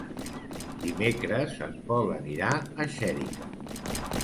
Dimecres en Pol anirà a Xèrica.